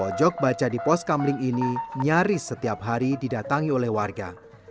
pojok baca di pos kamling ini nyaris setiap hari didatangi oleh warga